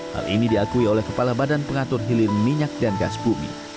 hal ini diakui oleh kepala badan pengatur hilir minyak dan gas bumi